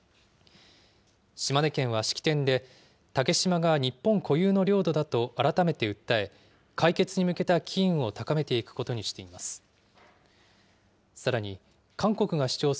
島根県は式典で、竹島が日本固有の領土だと改めて訴え、解決に向けた機運を高めていくことにしています。